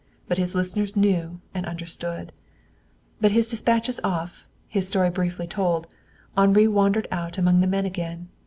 But his listeners knew and understood. But his dispatches off, his story briefly told, Henri wandered out among the men again.